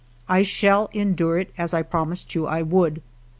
I shall endure it, as I promised you I would.